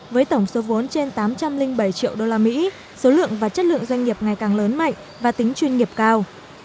với tổng số vốn trên tám trăm linh bảy triệu usd số lượng và chất lượng doanh nghiệp ngày càng lớn mạnh và tính chuyên nghiệp cao